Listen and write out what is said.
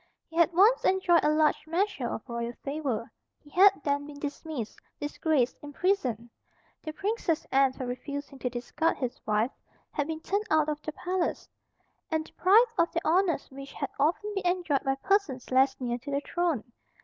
He had once enjoyed a large measure of royal favour. He had then been dismissed, disgraced, imprisoned. The Princess Anne, for refusing to discard his wife, had been turned out of the palace, and deprived of the honours which had often been enjoyed by persons less near to the throne.